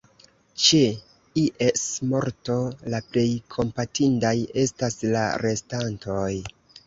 Ĉe ies morto, la plej kompatindaj estas la restantoj.